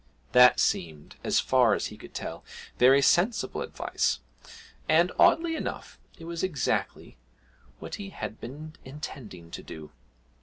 That seemed, as far as he could tell, very sensible advice, and, oddly enough, it was exactly what he had been intending to do.